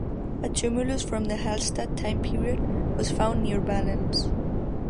A tumulus from the Hallstatt time period was found near Ballens.